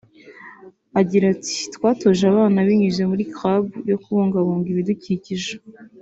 agira ati “Twatoje abana binyuze muri Club yo kubungabunga ibidukikije